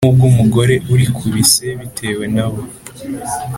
nk’ubw’umugore uri ku bise bitewe nawe.’ “